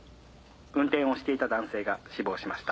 運転をしていた男性が死亡しました。